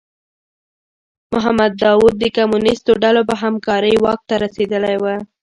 محمد داوود د کمونیستو ډلو په همکارۍ واک ته رسېدلی و.